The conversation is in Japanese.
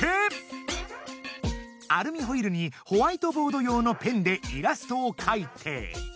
アルミホイルにホワイトボード用のペンでイラストをかいて。